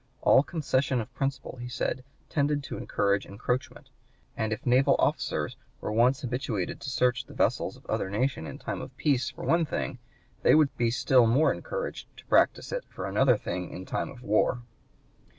"All concession of principle," he said, "tended to encourage encroachment, and if naval officers were once habituated to search the vessels of other nations in time of peace for one thing, they would be still more encouraged to practise it for another thing in time of war."